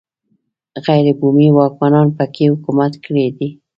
غیر بومي واکمنانو په کې حکومت کړی دی